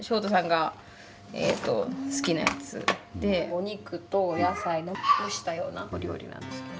お肉とお野菜の蒸したようなお料理なんですけど。